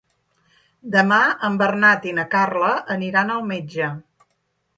Demà en Bernat i na Carla aniran al metge.